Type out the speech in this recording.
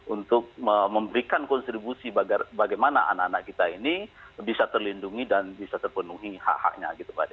untuk memberikan kontribusi bagaimana anak anak kita ini bisa terlindungi dan bisa terpenuhi hak haknya